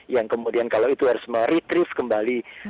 yang kemudian kalau itu harus meretrief kembali